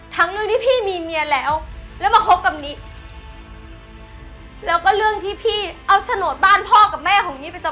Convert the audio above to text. ทั้งเรื่องที่พี่มีเมียแล้วแล้วมาคบกับนิด